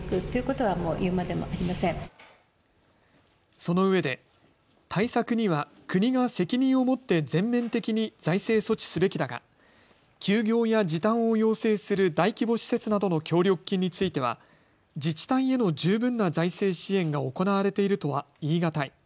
そのうえで対策には国が責任を持って全面的に財政措置すべきだが休業や時短を要請する大規模施設などの協力金については自治体への十分な財政支援が行われているとは言い難い。